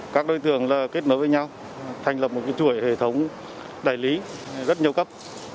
các đối tượng là kết nối với nhau thành lập một chuỗi hệ thống đài lý rất nhiều cấp